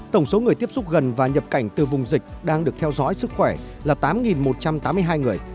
tổng số người tiếp xúc gần và nhập cảnh từ vùng dịch đang được theo dõi sức khỏe là tám một trăm tám mươi hai người